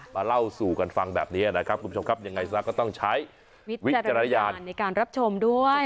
เล่าสู่กันฟังแบบนี้นะครับคุณผู้ชมครับยังไงซะก็ต้องใช้วิจารณญาณในการรับชมด้วย